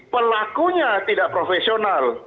pelakunya tidak profesional